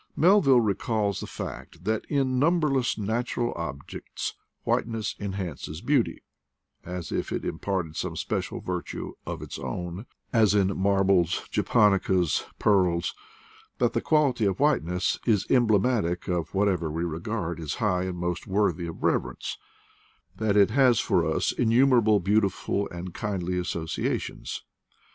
Melville recalls the fact that in numberless nat ural objects whiteness enhances beauty, as if it imparted some special virtue of its own, as in marbles, japonicas, pearls; that the quality of 110 IDLE DAYS IN PATAGONIA < whiteness is emblematic of whatever we regard as \ high and most worthy of reverence; that it has \for us innumerable beautiful and kindly associa tions.